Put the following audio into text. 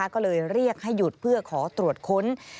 ก็เลยเรียกให้หยุดเพื่อขอตรวจค้น